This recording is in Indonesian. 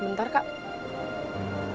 sama siapa kakak temanin ya